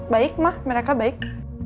baik mak mereka baik